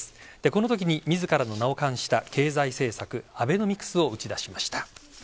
この時に自らの名を冠した経済政策アベノミクスを打ち出しました。